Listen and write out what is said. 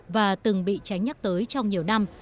và từng bị tránh nhắc tới trong nhiều năm